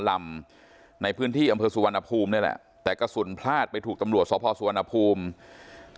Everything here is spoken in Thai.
ลำในพื้นที่อำเภอสุวรรณภูมินี่แหละแต่กระสุนพลาดไปถูกตำรวจสพสุวรรณภูมิ